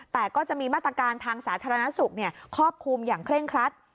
แต่ก็จะมีมาตรการทางสาธารณสุขครอบคลุมอย่างเคร่งครัด